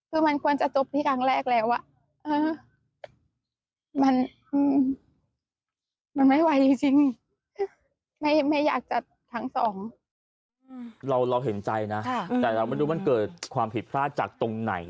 เราเห็นใจนะแต่เราไม่รู้มันเกิดความผิดพลาดจากตรงไหน